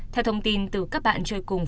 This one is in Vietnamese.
theo thông tin từ các bạn